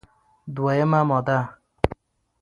دوه یمه ماده: